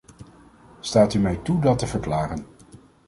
Staat u mij toe dat te verklaren.